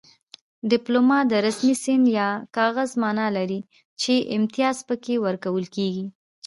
ډیپلوما د رسمي سند یا کاغذ مانا لري چې امتیاز پکې ورکول کیږي